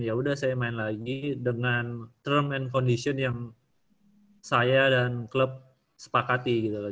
ya udah saya main lagi dengan term and condition yang saya dan klub sepakati gitu loh